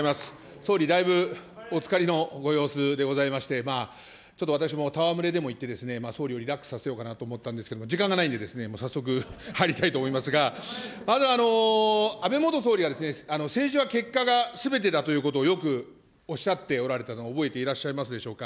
総理、だいぶお疲れのご様子でございまして、ちょっと私も戯れでも言って、総理をリラックスさせようかなと思ったんですが、時間がないんでですね、早速入りたいと思いますが、まず、安倍元総理は、政治は結果がすべてだということをよくおっしゃっておられたのを覚えていらっしゃいますでしょうか。